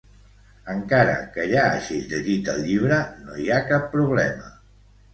Encara que ja hagis llegit el llibre, no hi ha cap problema.